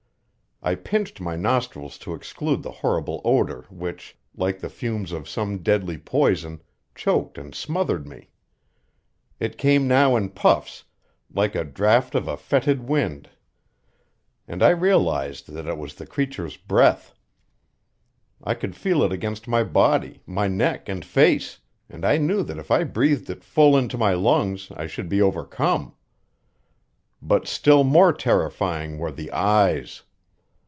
I pinched my nostrils to exclude the horrible odor which, like the fumes of some deadly poison, choked and smothered me. It came now in puffs, like a draft of a fetid wind, and I realized that it was the creature's breath. I could feel it against my body, my neck and face, and knew that if I breathed it full into my lungs I should be overcome. But still more terrifying were the eyes.